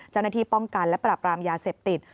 เจ้าหน้าที่ป้องกันและปรับรามยาเสพติด